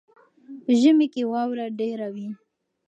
په ژمي کې واوره ډېره وي.